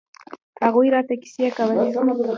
هغوى راته کيسې کولې.